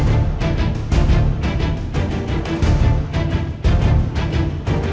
พ่อกลับมาแล้วเหรอ